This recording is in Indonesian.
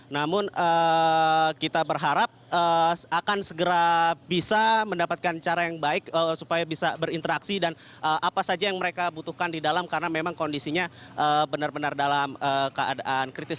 namun kita berharap akan segera bisa mendapatkan cara yang baik supaya bisa berinteraksi dan apa saja yang mereka butuhkan di dalam karena memang kondisinya benar benar dalam keadaan kritis